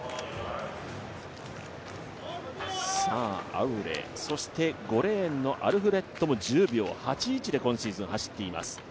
アウレ、そしてアルフレッドも１０秒８１で今シーズン走っています。